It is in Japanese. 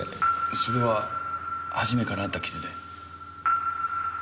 それは初めからあった傷で。